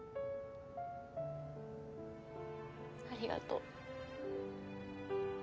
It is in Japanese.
ありがとう。